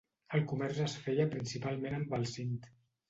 El comerç es feia principalment amb el Sind.